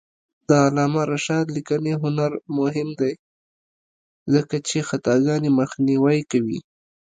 د علامه رشاد لیکنی هنر مهم دی ځکه چې خطاګانې مخنیوی کوي.